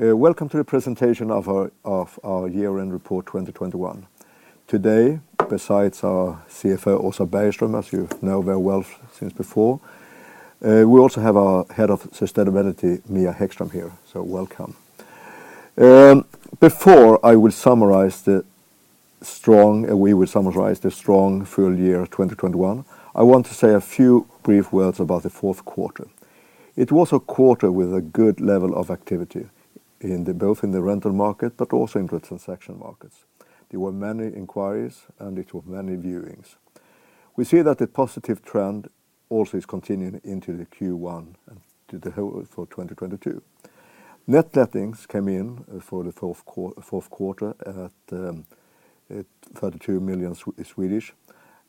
Welcome to the Presentation Of Our Year-end Report 2021. Today, besides our CFO, Åsa Bergström, as you know very well since before, we also have our Head of Sustainability, Mia Häggström here. Welcome. Before we will summarize the strong full year of 2021, I want to say a few brief words about the fourth quarter. It was a quarter with a good level of activity in both the rental market but also in good transaction markets. There were many inquiries, and it was many viewings. We see that the positive trend also is continuing into the Q1 and to the whole for 2022. Net lettings came in for the fourth quarter at 32 million,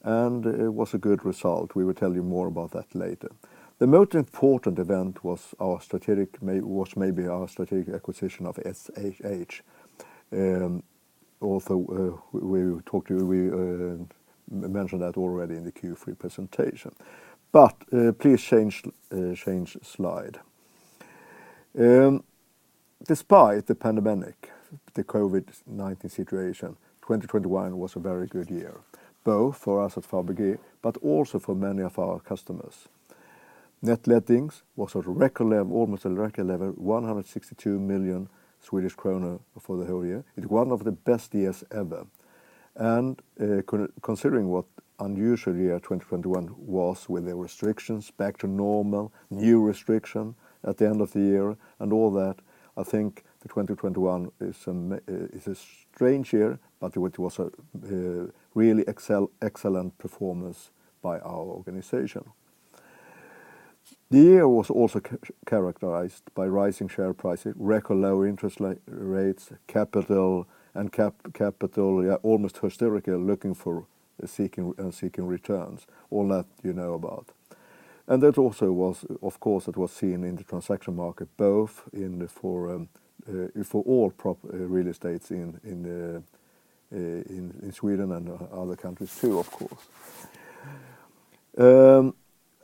and it was a good result. We will tell you more about that later. The most important event was maybe our strategic acquisition of SHH. Also, we mentioned that already in the Q3 presentation. Please change slide. Despite the pandemic, the COVID-19 situation, 2021 was a very good year, both for us at Fabege but also for many of our customers. Net lettings was at a record level, almost a record level, 162 million Swedish kronor for the whole year. It's one of the best years ever. Considering what unusual year 2021 was with the restrictions back to normal, new restriction at the end of the year, and all that, I think 2021 is a strange year, but it was a really excellent performance by our organization. The year was also characterized by rising share prices, record low interest rates, capital and capital almost hysterically seeking returns. All that you know about. That also was, of course, seen in the transaction market, both in the foreign for all property real estates in Sweden and other countries too, of course.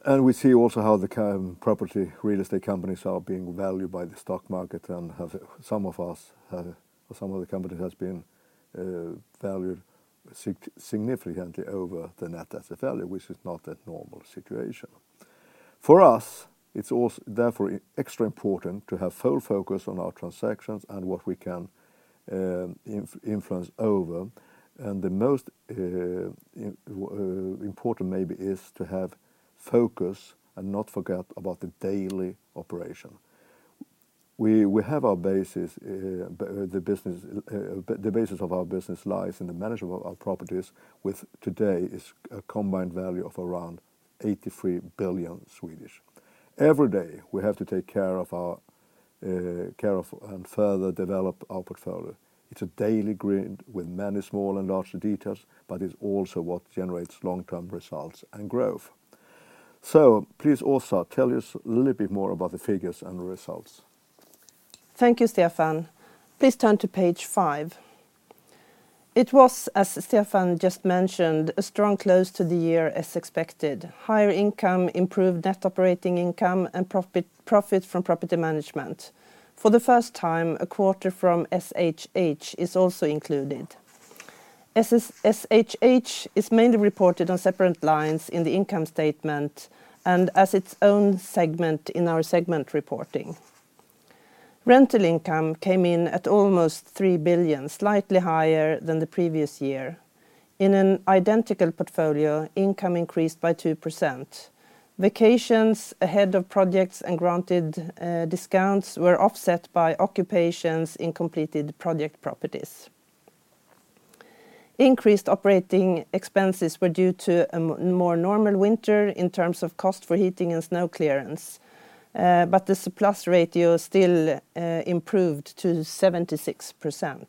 We see also how the property real estate companies are being valued by the stock market and some of the companies have been valued significantly over the net asset value, which is not a normal situation. For us, it's also therefore extra important to have full focus on our transactions and what we can influence over. The most important maybe is to have focus and not forget about the daily operation. We have the basis of our business lies in the management of our properties, worth today is a combined value of around 83 billion. Every day, we have to take care of and further develop our portfolio. It's a daily grind with many small and larger details, but it's also what generates long-term results and growth. Please, Åsa, tell us a little bit more about the figures and the results. Thank you, Stefan. Please turn to page five. It was, as Stefan just mentioned, a strong close to the year as expected. Higher income, improved net operating income, and profit from property management. For the first time, a quarter from SHH is also included. SHH is mainly reported on separate lines in the income statement and as its own segment in our segment reporting. Rental income came in at almost 3 billion, slightly higher than the previous year. In an identical portfolio, income increased by 2%. Vacations ahead of projects and granted discounts were offset by occupations in completed project properties. Increased operating expenses were due to a more normal winter in terms of cost for heating and snow clearance, but the surplus ratio still improved to 76%.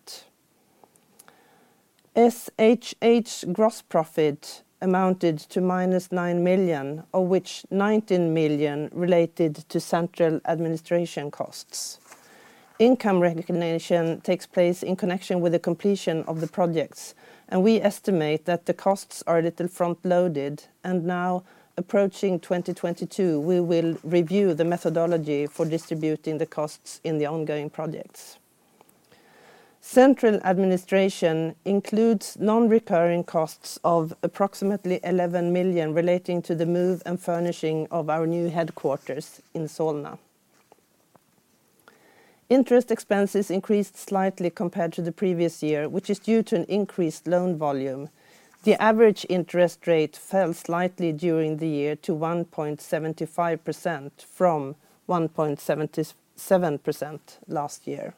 SHH's gross profit amounted to -9 million, of which 19 million related to central administration costs. Income recognition takes place in connection with the completion of the projects, and we estimate that the costs are a little front-loaded. Now, approaching 2022, we will review the methodology for distributing the costs in the ongoing projects. Central administration includes non-recurring costs of approximately 11 million relating to the move and furnishing of our new headquarters in Solna. Interest expenses increased slightly compared to the previous year, which is due to an increased loan volume. The average interest rate fell slightly during the year to 1.75% from 1.77% last year.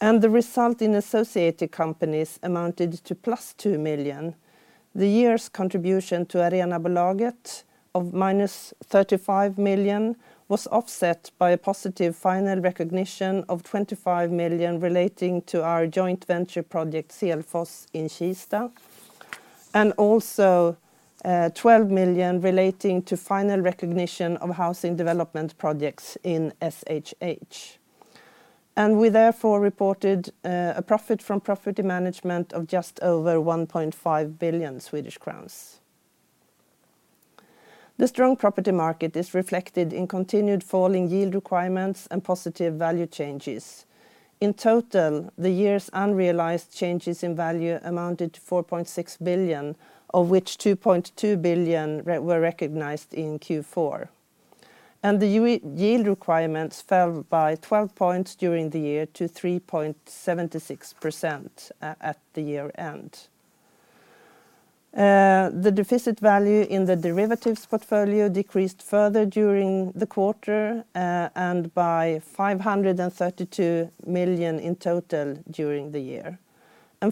The result in associated companies amounted to +2 million. The year's contribution to Arenabolaget of -35 million was offset by a positive final recognition of 25 million relating to our joint venture project Selfoss in Kista, and also, 12 million relating to final recognition of housing development projects in SHH. We therefore reported a profit from property management of just over 1.5 billion Swedish crowns. The strong property market is reflected in continued falling yield requirements and positive value changes. In total, the year's unrealized changes in value amounted to 4.6 billion, of which 2.2 billion were recognized in Q4. The yield requirements fell by 12 points during the year to 3.76% at the year-end. The deficit value in the derivatives portfolio decreased further during the quarter, and by 532 million in total during the year.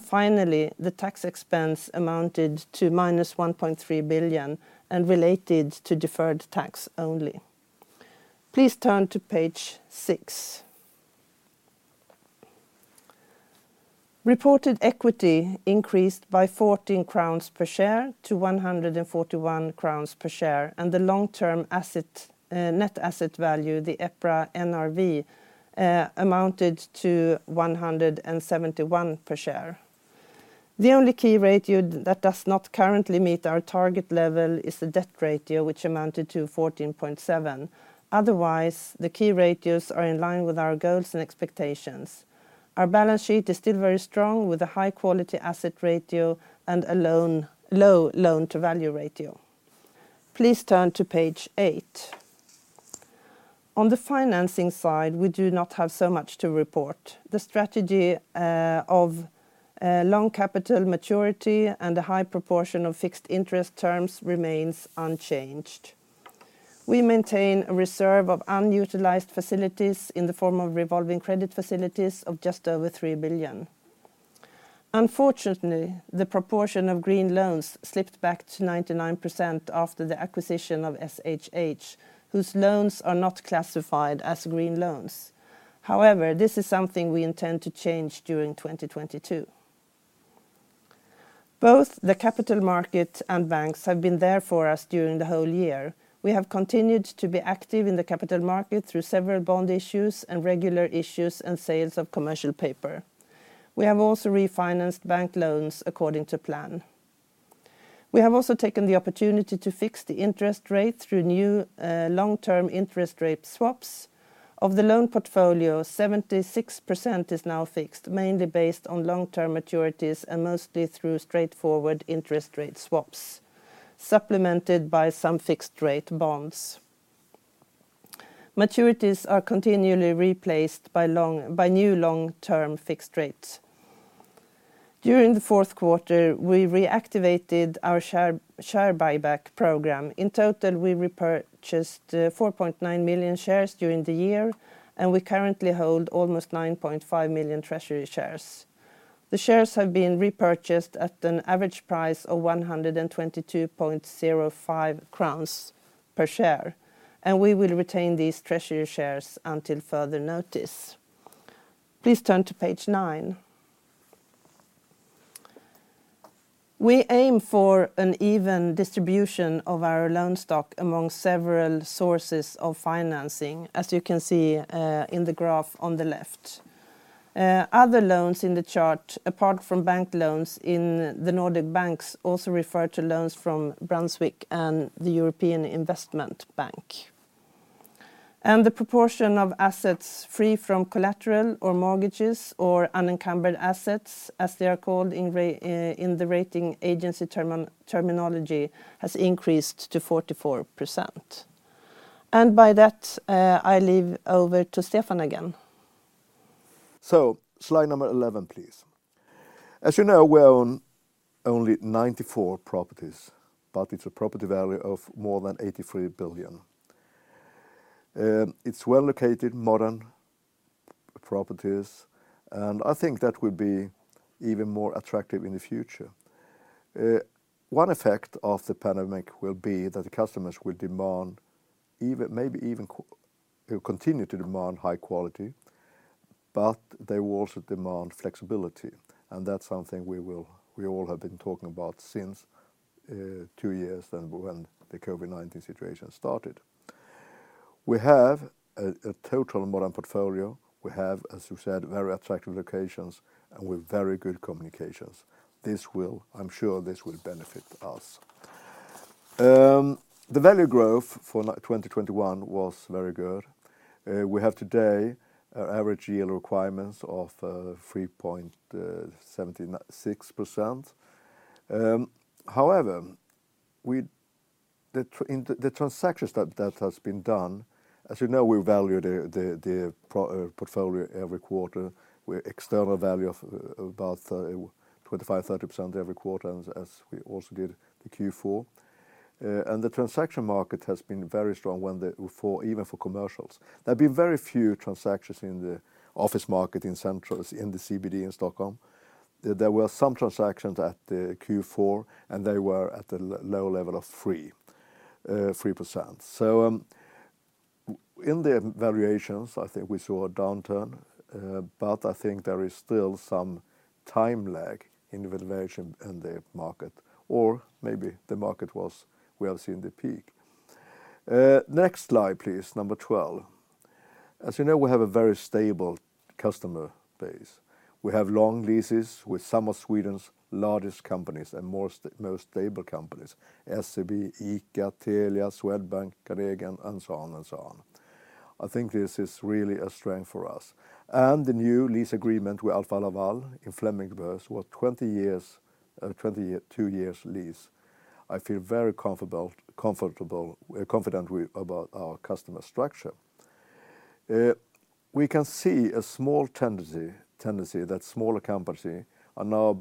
Finally, the tax expense amounted to -1.3 billion and related to deferred tax only. Please turn to page six. Reported equity increased by 14 crowns per share to 141 crowns per share, and the long-term net asset value, the EPRA NRV, amounted to 171 per share. The only key ratio that does not currently meet our target level is the debt ratio, which amounted to 14.7%. Otherwise, the key ratios are in line with our goals and expectations. Our balance sheet is still very strong with a high quality asset ratio and a low loan-to-value ratio. Please turn to page eight. On the financing side, we do not have so much to report. The strategy of long capital maturity and a high proportion of fixed interest terms remains unchanged. We maintain a reserve of unutilized facilities in the form of revolving credit facilities of just over 3 billion. Unfortunately, the proportion of green loans slipped back to 99% after the acquisition of SHH, whose loans are not classified as green loans. However, this is something we intend to change during 2022. Both the capital market and banks have been there for us during the whole year. We have continued to be active in the capital market through several bond issues and regular issues and sales of commercial paper. We have also refinanced bank loans according to plan. We have also taken the opportunity to fix the interest rate through new long-term interest rate swaps. Of the loan portfolio, 76% is now fixed, mainly based on long-term maturities and mostly through straightforward interest rate swaps, supplemented by some fixed rate bonds. Maturities are continually replaced by new long-term fixed rates. During the fourth quarter, we reactivated our share buyback program. In total, we repurchased 4.9 million shares during the year, and we currently hold almost 9.5 million treasury shares. The shares have been repurchased at an average price of 122.05 crowns per share, and we will retain these treasury shares until further notice. Please turn to page nine. We aim for an even distribution of our loan stock among several sources of financing, as you can see in the graph on the left. Other loans in the chart, apart from bank loans in the Nordic banks, also refer to loans from Brunswick and the European Investment Bank. The proportion of assets free from collateral or mortgages or unencumbered assets, as they are called in rating agency terminology, has increased to 44%. By that, I leave over to Stefan again. Slide number 11, please. As you know, we own only 94 properties, but it's a property value of more than 83 billion. It's well-located, modern properties, and I think that will be even more attractive in the future. One effect of the pandemic will be that customers will continue to demand high quality, but they will also demand flexibility. That's something we all have been talking about since two years ago when the COVID-19 situation started. We have a totally modern portfolio. We have, as you said, very attractive locations and with very good communications. I'm sure this will benefit us. The value growth for 2021 was very good. We have today our average yield requirements of 3.76%. However, in the transactions that has been done, as you know, we value the portfolio every quarter with external valuers of about 25%-30% every quarter as we also did the Q4. The transaction market has been very strong, even for commercials. There have been very few transactions in the office market in central, in the CBD in Stockholm. There were some transactions at the Q4, and they were at a low level of 3%. In the valuations, I think we saw a downturn, but I think there is still some time lag in the valuation in the market, or maybe we have seen the peak. Next slide, please. Number 12. As you know, we have a very stable customer base. We have long leases with some of Sweden's largest companies and most stable companies, SEB, ICA, Telia, Swedbank, Cregon, and so on. I think this is really a strength for us. The new lease agreement with Alfa Laval in Flemingsberg was a 20-year lease. I feel very comfortable, confident about our customer structure. We can see a small tendency that smaller companies are now a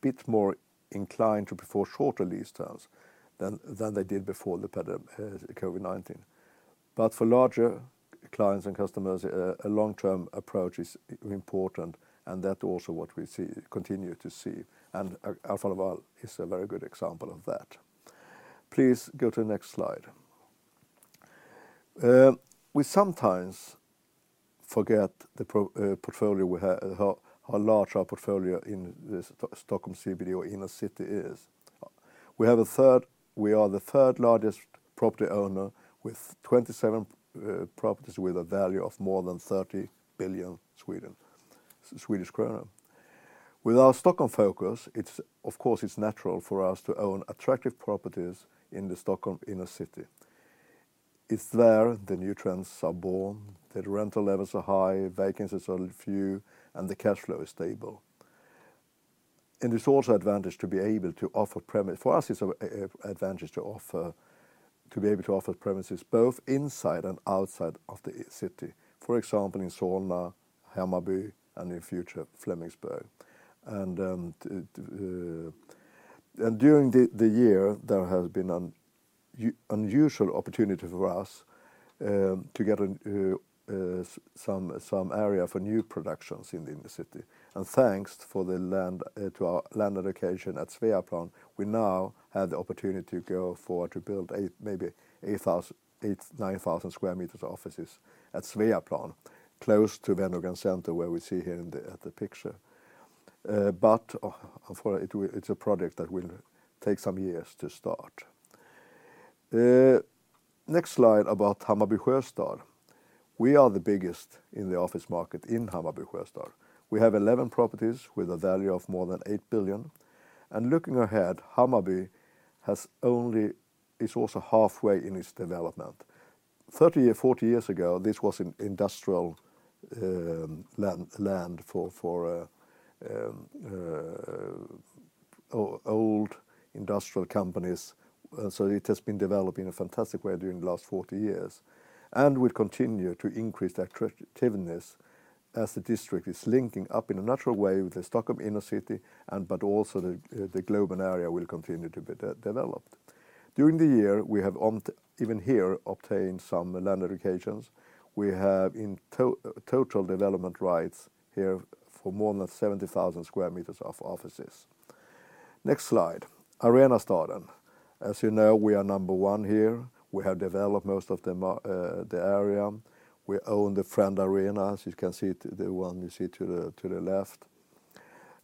bit more inclined to prefer shorter lease terms than they did before COVID-19. For larger clients and customers, a long-term approach is important, and that's also what we see, continue to see. Alfa Laval is a very good example of that. Please go to the next slide. We sometimes forget the portfolio we have, how large our portfolio in this Stockholm CBD or inner city is. We are the third largest property owner with 27 properties with a value of more than 30 billion Swedish kronor. With our Stockholm focus, of course, it's natural for us to own attractive properties in the Stockholm inner city. It's there the new trends are born, the rental levels are high, vacancies are few, and the cash flow is stable. It's also advantage to be able to offer premises both inside and outside of the city. For example, in Solna, Hammarby, and in future, Flemingsberg. During the year, there has been an unusual opportunity for us to get in some area for new productions in the inner city. Thanks for the land to our land allocation at Sveaplan, we now have the opportunity to go for to build eight, maybe 8,000-9,000 sq m of offices at Sveaplan, close to Wenner-Gren Center, where we see here in the picture. But for it's a project that will take some years to start. Next slide about Hammarby Sjöstad. We are the biggest in the office market in Hammarby Sjöstad. We have 11 properties with a value of more than 8 billion. Looking ahead, Hammarby is also only halfway in its development. 30, 40 years ago, this was an industrial land for old industrial companies. So it has been developing in a fantastic way during the last 40 years and will continue to increase attractiveness as the district is linking up in a natural way with the Stockholm inner city, but also the Globen area will continue to be developed. During the year, we have even here obtained some land allocations. We have in total development rights here for more than 70,000 sq m of offices. Next slide. Arenastaden. As you know, we are number one here. We have developed most of the area. We own the Friends Arena, as you can see, the one you see to the left.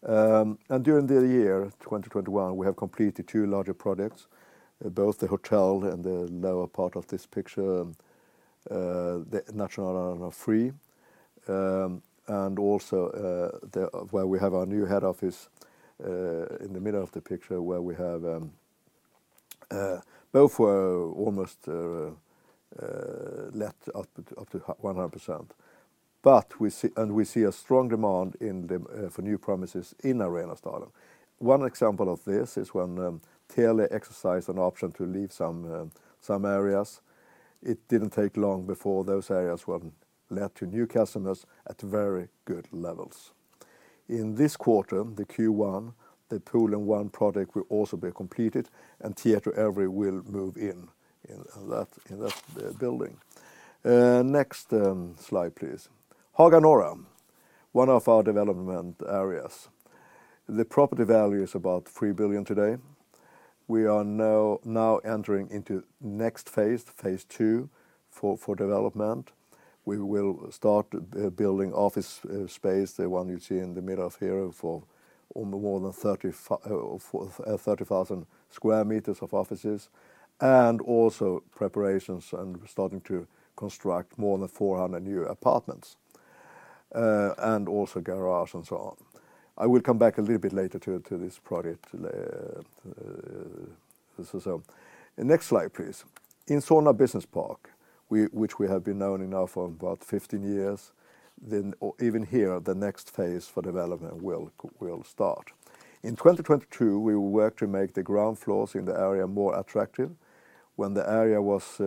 During the year 2021, we have completed two larger projects, both the hotel and the lower part of this picture, the Nationalarenan 3, and also where we have our new head office in the middle of the picture, where both were almost let up to 100%. We see a strong demand for new premises in Arenastaden. One example of this is when Telia exercised an option to lease some areas. It didn't take long before those areas were let to new customers at very good levels. In this quarter, Q1, the Two and One project will also be completed, and Tietoevry will move in in that building. Next slide, please. Haga Norra, one of our development areas. The property value is about 3 billion today. We are now entering into next phase II, for development. We will start building office space, the one you see in the middle here, for more than 30,000 sq m of offices, and also preparations and starting to construct more than 400 new apartments, and also garage and so on. I will come back a little bit later to this project. Next slide, please. In Solna Business Park, which we have been owning now for about 15 years, the next phase for development will start. In 2022, we will work to make the ground floors in the area more attractive. When the area was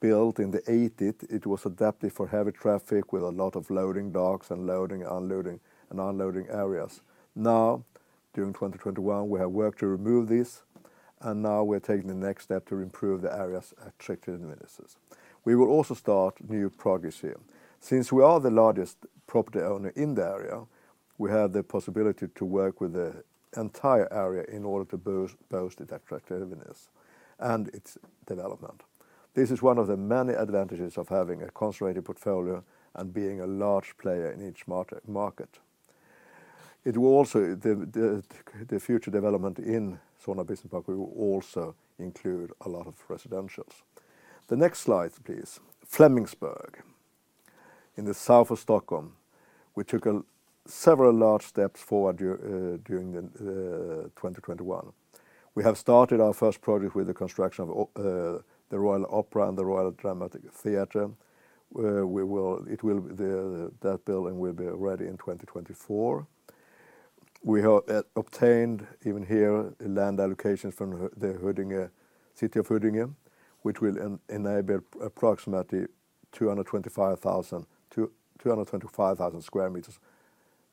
built in the 1980s, it was adapted for heavy traffic with a lot of loading docks and loading, unloading, and unloading areas. Now, during 2021, we have worked to remove this, and now we're taking the next step to improve the area's attractiveness. We will also start new projects here. Since we are the largest property owner in the area, we have the possibility to work with the entire area in order to boost its attractiveness and its development. This is one of the many advantages of having a concentrated portfolio and being a large player in each market. The future development in Solna Business Park will also include a lot of residential. The next slide, please. Flemingsberg. In the south of Stockholm, we took several large steps forward during 2021. We have started our first project with the construction of the Kungliga Operan and Kungliga Dramatiska Teatern, where that building will be ready in 2024. We have obtained, even here, land allocations from the city of Huddinge, which will enable approximately 225,000 sq m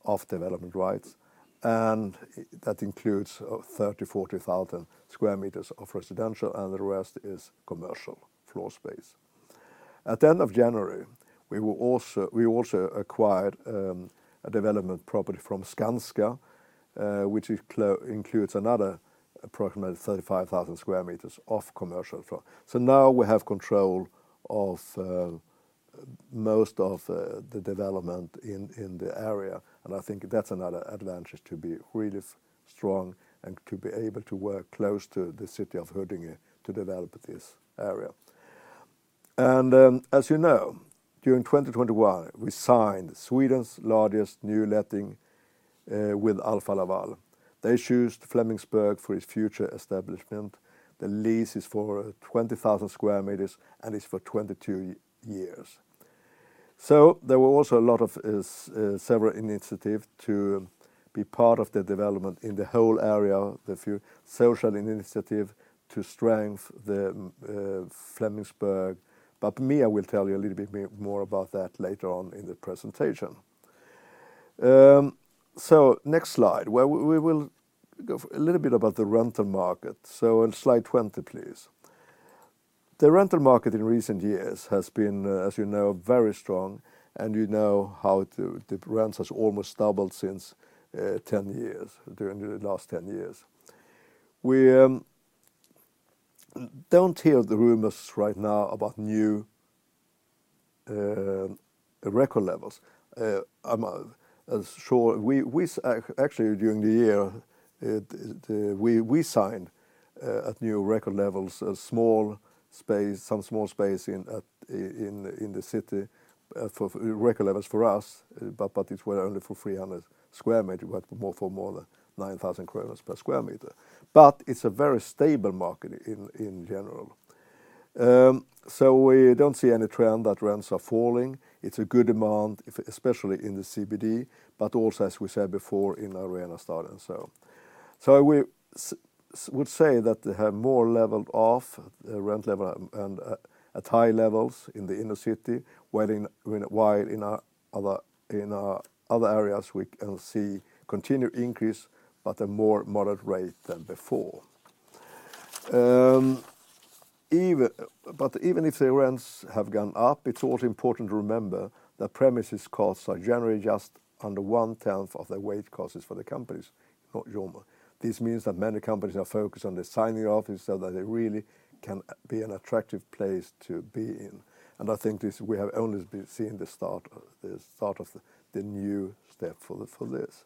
of development rights, and that includes 30,000-40,000 sq m of residential, and the rest is commercial floor space. At the end of January, we also acquired a development property from Skanska, which includes another approximately 35,000 sq m of commercial floor space. Now we have control of most of the development in the area, and I think that's another advantage to be really strong and to be able to work close to the city of Huddinge to develop this area. As you know, during 2021, we signed Sweden's largest new letting with Alfa Laval. They choose Flemingsberg for its future establishment. The lease is for 20,000 sq m, and it's for 22 years. There were also a lot of several initiatives to be part of the development in the whole area, a few social initiatives to strengthen Flemingsberg. I will tell you a little bit more about that later on in the presentation. Next slide, where we will go a little bit about the rental market. On slide 20, please. The rental market in recent years has been, as you know, very strong, and you know how the rents has almost doubled since 10 years, during the last 10 years. We don't hear the rumors right now about new record levels. I'm sure we actually, during the year, we signed at new record levels some small space in the city for record levels for us, but it were only for 300 sq m but more than 9,000 per sq m. It's a very stable market in general. We don't see any trend that rents are falling. It's a good demand, especially in the CBD, but also, as we said before, in Arenastaden. I would say that they have more leveled off the rent level and at high levels in the inner city, whereas in our other areas we can see continued increase but a more moderate rate than before. Even if the rents have gone up, it's also important to remember that premises costs are generally just under one-tenth of the wage costs for the companies. That's normal. This means that many companies are focused on the office design so that they really can be an attractive place to be in. I think we have only been seeing the start of the new step for this.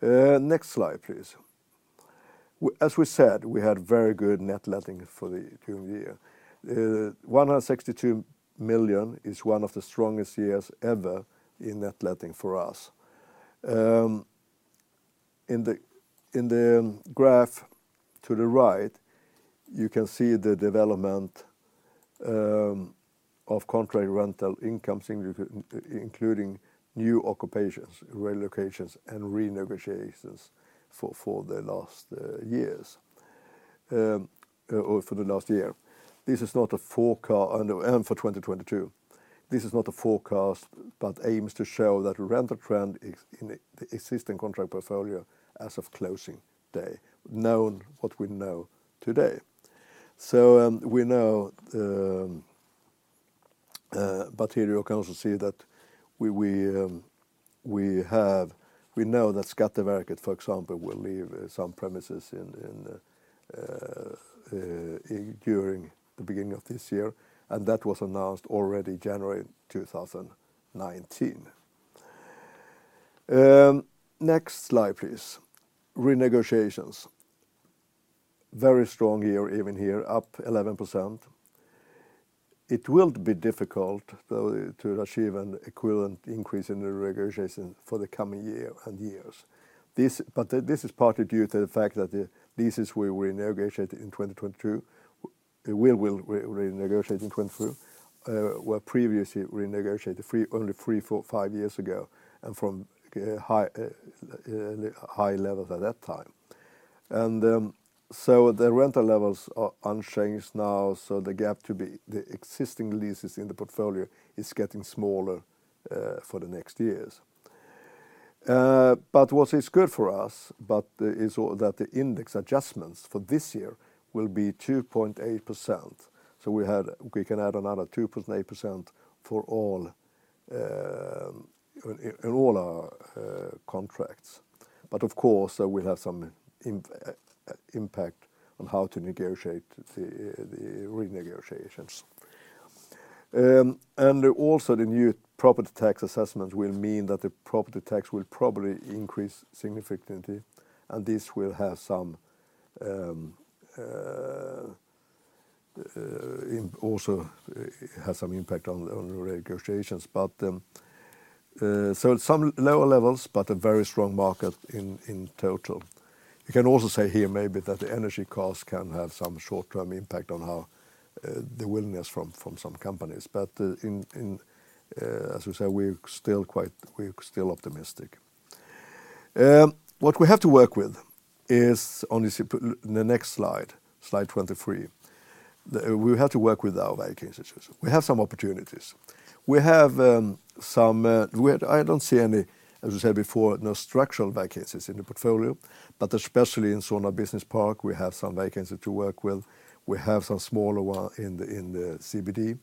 Next slide, please. As we said, we had very good net letting for the current year. 162 million is one of the strongest years ever in net letting for us. In the graph to the right, you can see the development of contract rental income, including new occupations, relocations, and renegotiations for the last years or for the last year. This is not a forecast for 2022. This is not a forecast, but aims to show that rental trend in the existing contract portfolio as of closing day, knowing what we know today. Here you can also see that we know that Skatteverket, for example, will leave some premises in during the beginning of this year, and that was announced already January 2019. Next slide, please. Renegotiations. Very strong year even here, up 11%. It will be difficult, though, to achieve an equivalent increase in the renegotiation for the coming year and years. This is partly due to the fact that the leases we will negotiate in 2022 we will re-renegotiate in 2022 were previously renegotiated only three, four, five years ago and from high levels at that time. The rental levels are unchanged now, so the gap to the existing leases in the portfolio is getting smaller for the next years. What is good for us is also that the index adjustments for this year will be 2.8%. We can add another 2.8% to all our contracts. Of course, that will have some impact on how to negotiate the renegotiations. The new property tax assessment will mean that the property tax will probably increase significantly, and this will have some impact on the negotiations. Some lower levels, but a very strong market in total. You can also say here maybe that the energy costs can have some short-term impact on the willingness from some companies. As we say, we're still optimistic. What we have to work with is on the next slide 23. We have to work with our vacancies. We have some opportunities. I don't see any structural vacancies in the portfolio, as I said before, but especially in Solna Business Park, we have some vacancy to work with. We have some smaller ones in the CBD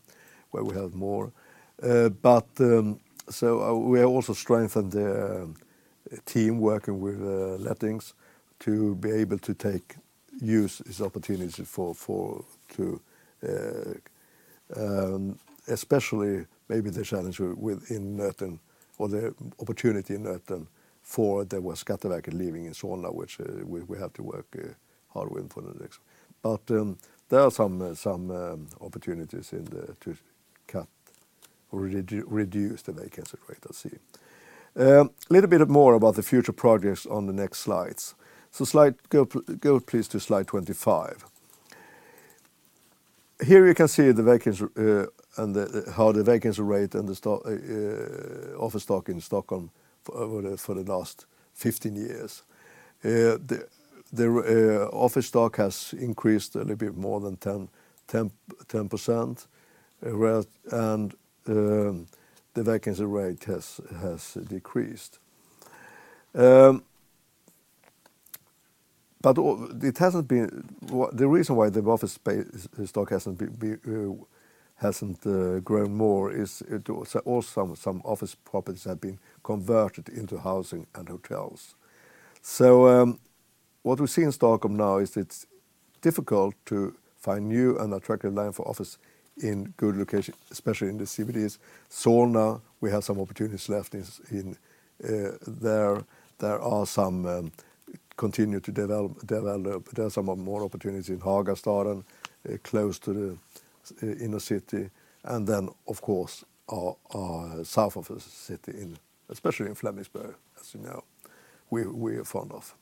where we have more. We have also strengthened the team working with lettings to be able to make use of this opportunity, especially maybe the challenge in Norrtörn or the opportunity in Norrtörn following Skatteverket leaving in Solna, which we have to work hard with for the next. There are some opportunities to cut or reduce the vacancy rate I see. A little bit more about the future projects on the next slides. Go please to slide 25. Here you can see the vacancy rate and how the office stock in Stockholm for the last 15 years. The office stock has increased a little bit more than 10%, whereas the vacancy rate has decreased. It hasn't been the reason why the office stock hasn't grown more is also some office properties have been converted into housing and hotels. What we see in Stockholm now is it's difficult to find new and attractive land for office in good location, especially in the CBDs. Solna, we have some opportunities left in there. There are some continue to develop. There are some more opportunities in Hagastaden, close to the inner city, and then of course our south office city, especially in Flemingsberg, as you know, we are fond of.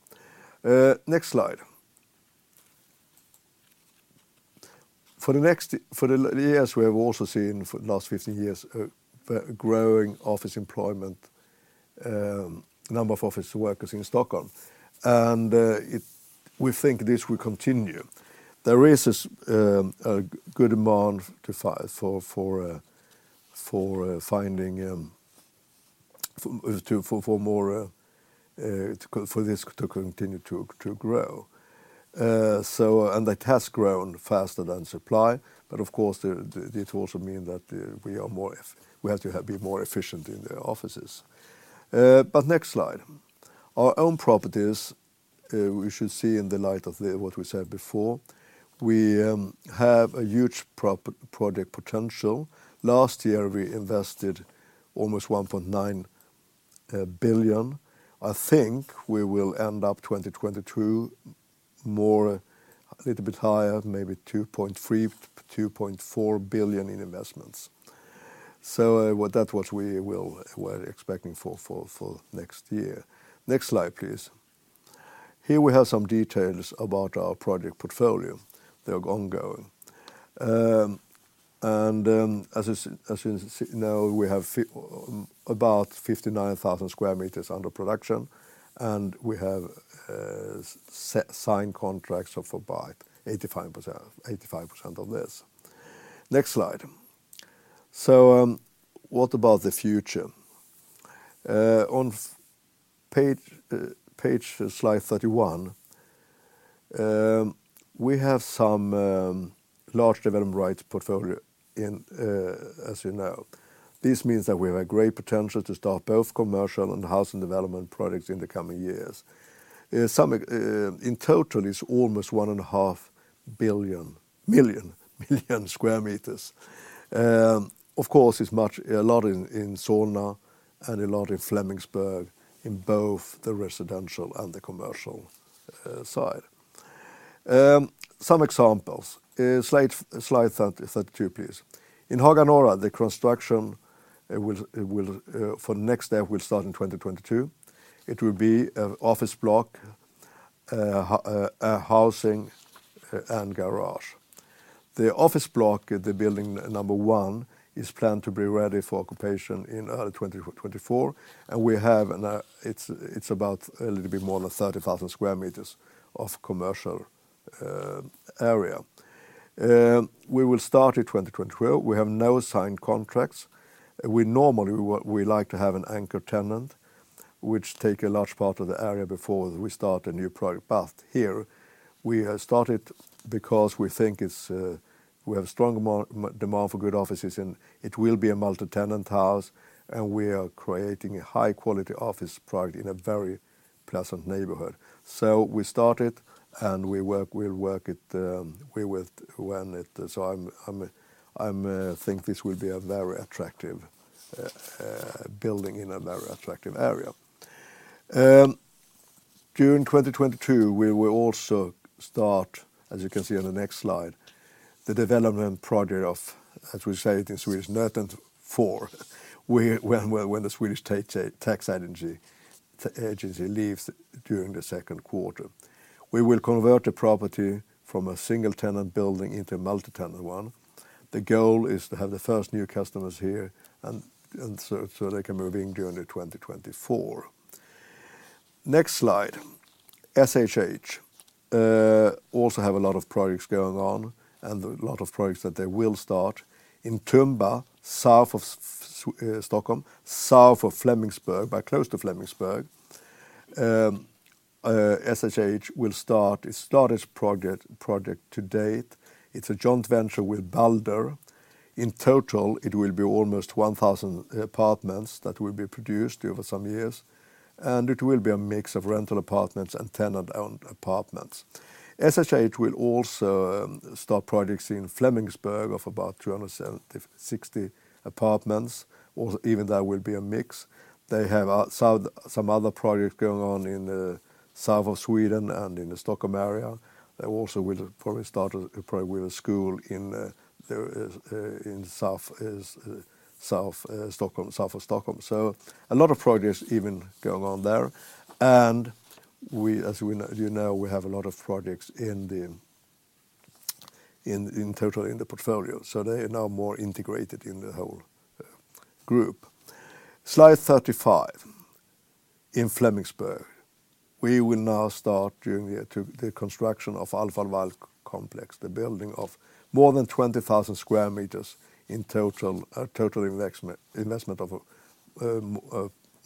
Next slide. For the last 15 years, we have also seen a growing office employment, number of office workers in Stockholm. We think this will continue. There is a good demand for this to continue to grow. That has grown faster than supply, but of course it also mean that we have to be more efficient in the offices. Next slide. Our own properties, we should see in the light of what we said before. We have a huge project potential. Last year, we invested almost 1.9 billion. I think we will end up 2022 more a little bit higher, maybe 2.3 billion-2.4 billion in investments. That's what we're expecting for next year. Next slide, please. Here we have some details about our project portfolio. They're ongoing. As you know, we have about 59,000 sq m under production, and we have signed contracts of about 85% of this. Next slide. What about the future? On page, slide 31, we have some large development rights portfolio in, as you know. This means that we have a great potential to start both commercial and housing development projects in the coming years. In total, it's almost 1.5 million sq m. Of course, it's a lot in Solna and a lot in Flemingsberg in both the residential and the commercial side. Some examples. Slide 32 please. In Haga Norra, the construction will, for next step, start in 2022. It will be an office block, a housing, and garage. The office block, the building number one, is planned to be ready for occupation in early 2024, and it's about a little bit more than 30,000 sq m of commercial area. We will start in 2022. We have now signed contracts. We normally like to have an anchor tenant which take a large part of the area before we start a new project. Here we have started because we think it's we have strong demand for good offices, and it will be a multi-tenant house, and we are creating a high-quality office product in a very pleasant neighborhood. We started, and we'll work it, so I think this will be a very attractive building in a very attractive area. During 2022, we will also start, as you can see on the next slide, the development project of, as we say it in Swedish, Nöten 4. When Skatteverket leaves during the second quarter. We will convert the property from a single-tenant building into a multi-tenant one. The goal is to have the first new customers here so they can move in during 2024. Next slide. SHH also have a lot of projects going on, and a lot of projects that they will start. In Tumba, south of Stockholm, south of Flemingsberg, but close to Flemingsberg, SHH will start its largest project to date. It's a joint venture with Balder. In total, it will be almost 1,000 apartments that will be produced over some years, and it will be a mix of rental apartments and tenant-owned apartments. SHH will also start projects in Flemingsberg of about 276 apartments, or even that will be a mix. They have some other projects going on in south of Sweden and in the Stockholm area. They also will probably start a project with a school in south Stockholm, south of Stockholm. A lot of projects even going on there. We, as we know, you know, we have a lot of projects in total in the portfolio. They are now more integrated in the whole group. Slide 35. In Flemingsberg, we will now start during the year the construction of Alfa Laval complex, the building of more than 20,000 sq m in total. A total investment of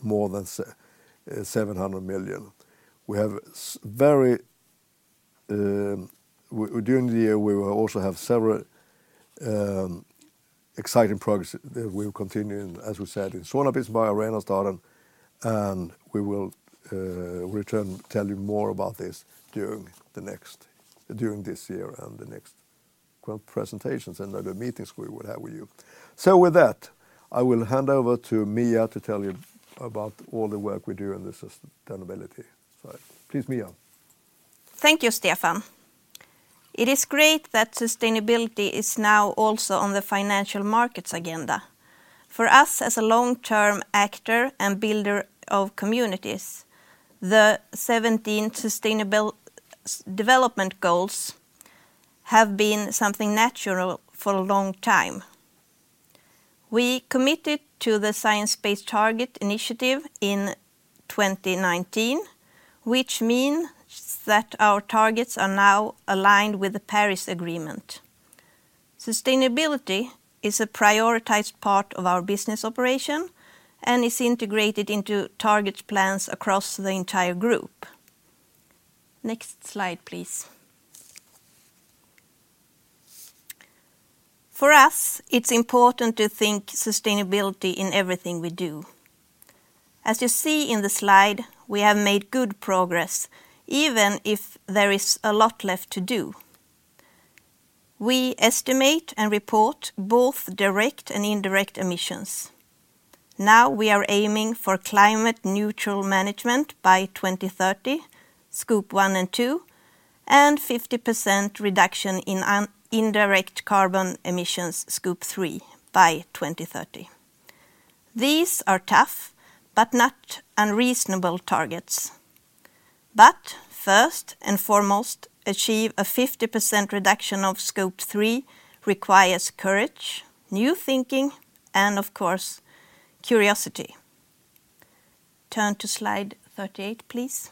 more than 700 million. We have very... During the year, we will also have several exciting projects that will continue, as we said, in Solnabergsby and Arenastaden, and we will return tell you more about this. During this year and the next presentations and other meetings we will have with you. With that, I will hand over to Mia to tell you about all the work we do in the sustainability side. Please, Mia. Thank you, Stefan. It is great that sustainability is now also on the financial markets agenda. For us as a long-term actor and builder of communities, the 17 Sustainable Development Goals have been something natural for a long time. We committed to the Science Based Targets initiative in 2019, which means that our targets are now aligned with the Paris Agreement. Sustainability is a prioritized part of our business operation and is integrated into target plans across the entire group. Next slide, please. For us, it's important to think sustainability in everything we do. As you see in the slide, we have made good progress even if there is a lot left to do. We estimate and report both direct and indirect emissions. Now we are aiming for climate-neutral management by 2030, Scope 1 and 2, and 50% reduction in indirect carbon emissions, Scope 3, by 2030. These are tough but not unreasonable targets. First and foremost, achieve a 50% reduction of Scope 3 requires courage, new thinking, and of course, curiosity. Turn to slide 38, please.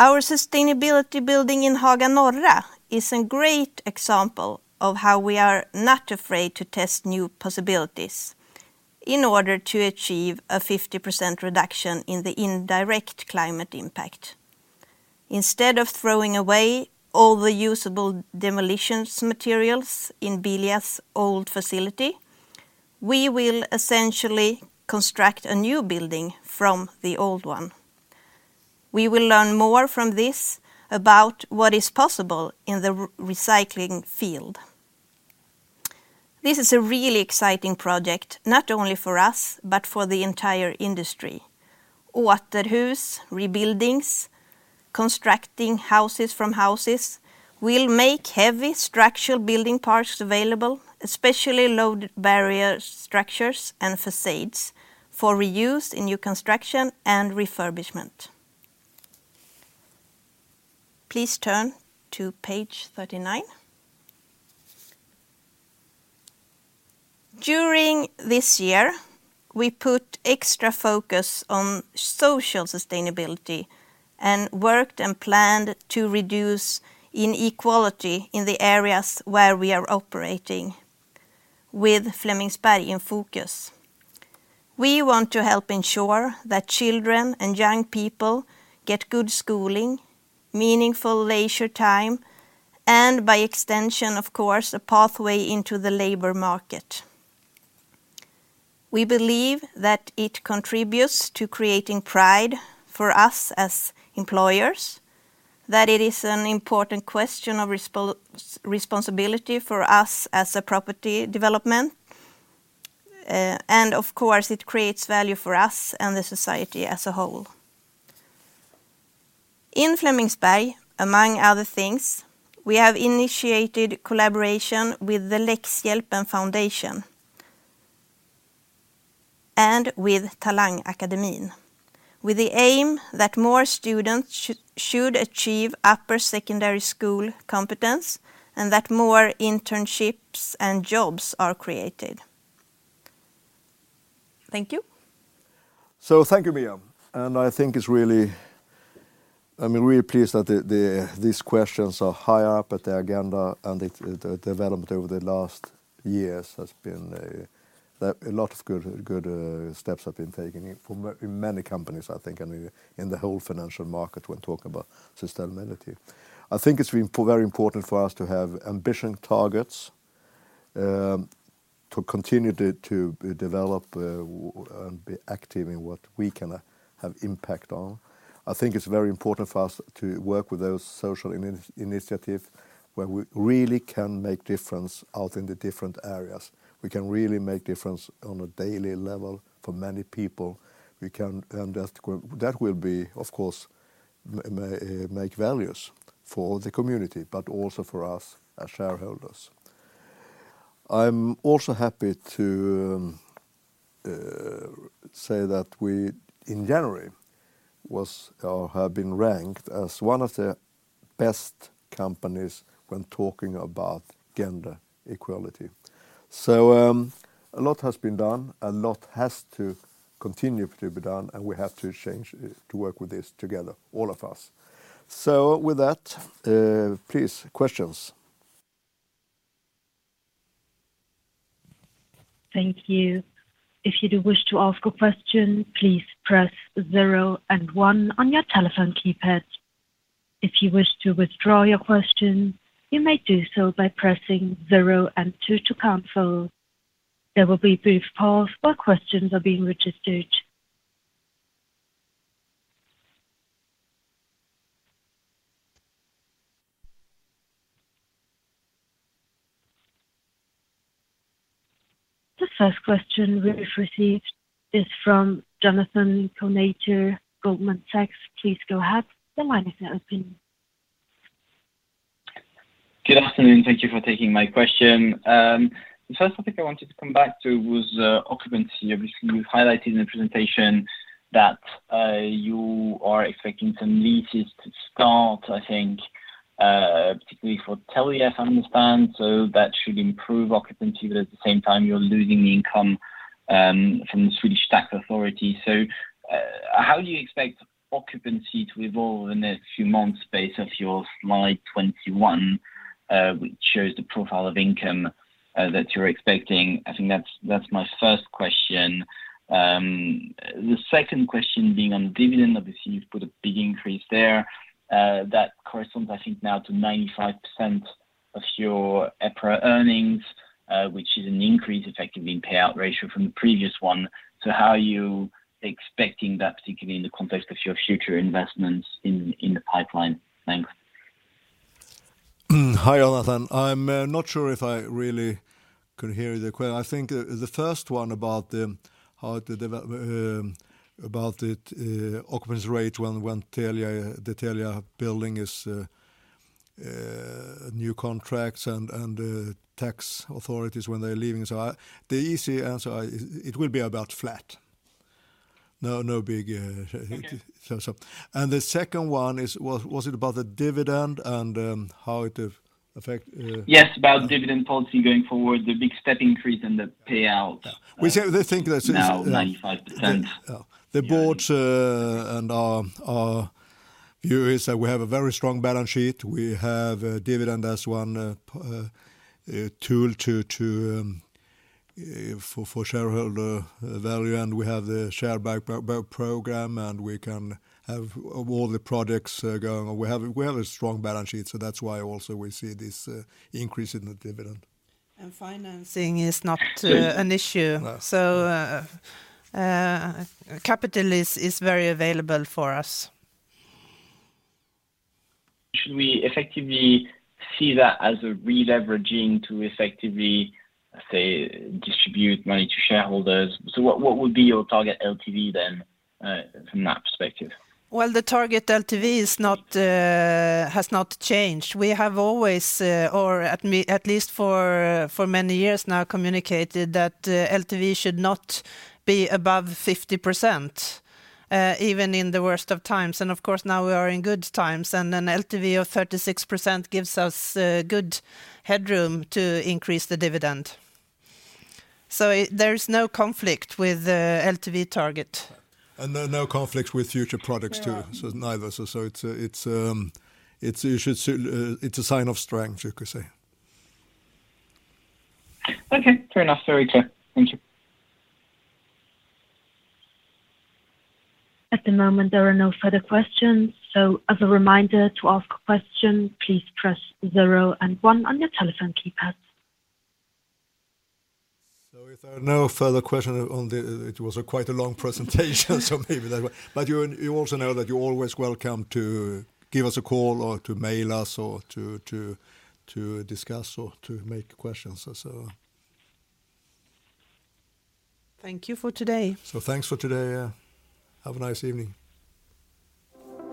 Our sustainability building in Haga Norra is a great example of how we are not afraid to test new possibilities in order to achieve a 50% reduction in the indirect climate impact. Instead of throwing away all the usable demolition materials in Bilia's old facility, we will essentially construct a new building from the old one. We will learn more from this about what is possible in the recycling field. This is a really exciting project, not only for us, but for the entire industry. Återhus, Rebuildings, constructing houses from houses will make heavy structural building parts available, especially load-bearing structures and facades for reuse in new construction and refurbishment. Please turn to page 39. During this year, we put extra focus on social sustainability and worked and planned to reduce inequality in the areas where we are operating with Flemingsberg in focus. We want to help ensure that children and young people get good schooling, meaningful leisure time, and by extension, of course, a pathway into the labor market. We believe that it contributes to creating pride for us as employers. That it is an important question of responsibility for us as a property development. Of course, it creates value for us and the society as a whole. In Flemingsberg, among other things, we have initiated collaboration with the Läxhjälpen Foundation and with TalangAkademin, with the aim that more students should achieve upper secondary school competence and that more internships and jobs are created. Thank you. Thank you, Mia. I think it's really. I'm really pleased that these questions are high up on the agenda, and the development over the last years has been that a lot of good steps have been taken in many companies, I think, and in the whole financial market when talking about sustainability. I think it's very important for us to have ambitious targets to continue to develop and be active in what we can have an impact on. I think it's very important for us to work with those social initiatives where we really can make a difference out in the different areas. We can really make a difference on a daily level for many people. That will be, of course, make values for the community, but also for us as shareholders. I'm also happy to say that we in January was or have been ranked as one of the best companies when talking about gender equality. A lot has been done, a lot has to continue to be done, and we have to change to work with this together, all of us. With that, please, questions. Thank you. If you would wish to ask a question, please press zero, and one on your telephone keypad. If you wish to withdraw your question, you may do so by pressing zero and two to cancel. The first question we've received is from Jonathan Kownator, Goldman Sachs. Please go ahead. The line is now open. Good afternoon. Thank you for taking my question. The first topic I wanted to come back to was occupancy. Obviously, you've highlighted in the presentation that you are expecting some leases to start, I think, particularly for Telia, if I understand. That should improve occupancy, but at the same time, you're losing income from Skatteverket. How do you expect occupancy to evolve in the next few months based off your slide 21, which shows the profile of income that you're expecting? I think that's my first question. The second question being on dividend, obviously, you've put a big increase there. That corresponds, I think now to 95% of your EPRA earnings, which is an increase effectively in payout ratio from the previous one. How are you expecting that, particularly in the context of your future investments in the pipeline? Thanks. Hi, Jonathan. I'm not sure if I really could hear the question. I think the first one about the occupancy rate when Telia, the Telia building is new contracts and tax authorities when they're leaving. The easy answer, it will be about flat. No big. Okay. The second one was it about the dividend and how it affect? Yes, about dividend policy going forward, the big step increase in the payout. We think that it's.... now 95%. The Board and our view is that we have a very strong balance sheet. We have a dividend as one tool for shareholder value, and we have the share buyback program, and we can have all the products going. We have a strong balance sheet, so that's why also we see this increase in the dividend. Financing is not an issue. Yeah. Capital is very available for us. Should we effectively see that as a releveraging to effectively, say, distribute money to shareholders? What would be your target LTV then, from that perspective? Well, the target LTV has not changed. We have always, or at least for many years now, communicated that LTV should not be above 50%, even in the worst of times. Of course, now we are in good times, and an LTV of 36% gives us good headroom to increase the dividend. There is no conflict with the LTV target. No, no conflict with future products too. Neither. It's a sign of strength, you could say. Okay. Fair enough. Very clear. Thank you. At the moment, there are no further questions. So as a reminder to ask a question, please press zero and one on your telephone keypad. If there are no further questions. It was quite a long presentation, so maybe that way. You also know that you're always welcome to give us a call or to mail us or to discuss or to make questions also. Thank you for today. Thanks for today. Have a nice evening.